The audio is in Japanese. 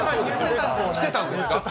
してたんですか？